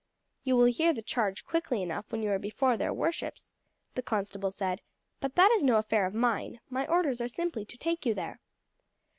"You will hear the charge quickly enough when you are before their worships," the constable said; "but that is no affair of mine my orders are simply to take you there."